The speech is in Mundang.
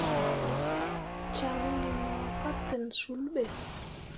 Caŋne no ka ten sul be.